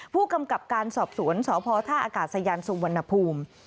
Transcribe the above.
ผู้กำกับการสอบสวนสภอสยสวนภูมิ